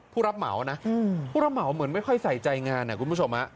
ผู้รับเหมานะผู้รับเหมาเหมือนไม่ค่อยใส่ใจงานคุณผู้ชม